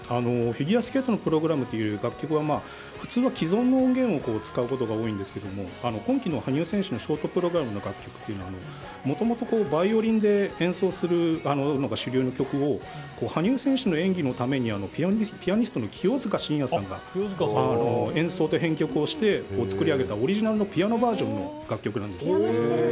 フィギュアスケートのプログラムという楽曲は普通は既存の音源を使うことが多いんですけれども今季の羽生選手のショートプログラムの楽曲というのはもともとバイオリンで演奏するのが主流の曲を羽生選手の演技のためにピアニストの清塚信也さんが演奏と編曲をして作り上げたオリジナルのピアノバージョンの楽曲なんです。